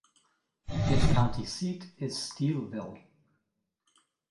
Its county seat is Steelville.